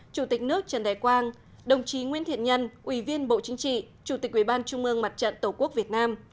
chủ tịch nước trần đại quang đồng chí nguyễn thiện nhân ủy viên bộ chính trị chủ tịch ủy ban trung mương mặt trận tổ quốc việt nam